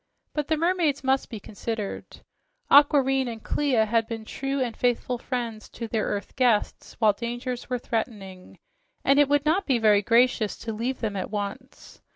But the mermaids must be considered. Aquareine and Clia had been true and faithful friends to their earth guests while dangers were threatening, and it would not be very gracious to leave them at once.